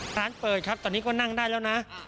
ร้านเปิดครับตอนนี้ก็นั่งได้แล้วนะ